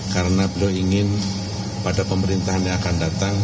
karena beliau ingin pada pemerintahan yang akan datang